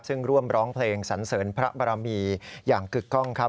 ซึ่งร่วมร้องเพลงสันเสริญพระบรมีอย่างกึกกล้องครับ